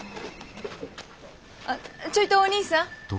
あちょいとおにいさん。